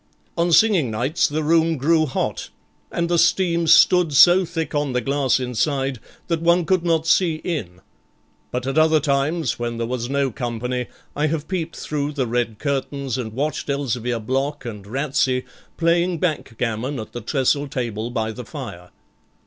On singing nights the room grew hot, and the steam stood so thick on the glass inside that one could not see in; but at other times, when there was no company, I have peeped through the red curtains and watched Elzevir Block and Ratsey playing backgammon at the trestle table by the fire.